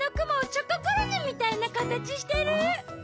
チョココロネみたいなかたちしてる！